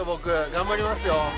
頑張りますよ。